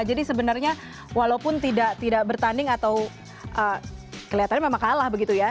jadi sebenarnya walaupun tidak bertanding atau kelihatannya memang kalah begitu ya